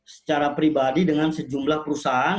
secara pribadi dengan sejumlah perusahaan